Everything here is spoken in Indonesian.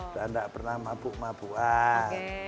udah gak pernah mabuk mabuan